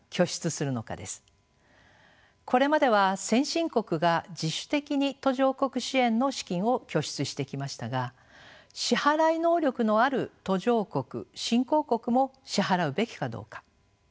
これまでは先進国が自主的に途上国支援の資金を拠出してきましたが支払い能力のある途上国新興国も支払うべきかどうか。